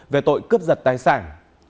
về tội cướp giật tài sản